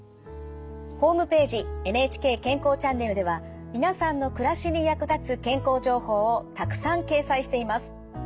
ホームページ「ＮＨＫ健康チャンネル」では皆さんの暮らしに役立つ健康情報をたくさん掲載しています。